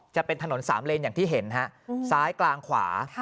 จะเป็นถนนสามเลนอย่างที่เห็นฮะซ้ายกลางขวา